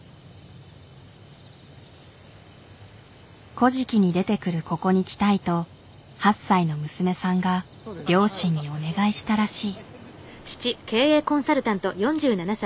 「古事記」に出てくるここに来たいと８歳の娘さんが両親にお願いしたらしい。